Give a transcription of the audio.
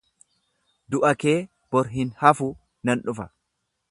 Du'a kee, bor hin hafu nan dhufa.